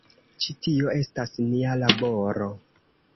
Ĉi tio estas nia laboro.